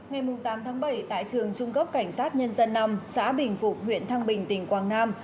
ngày tám tháng bảy tại trường trung cấp cảnh sát nhân dân năm xã bình phục huyện thăng bình tỉnh quảng nam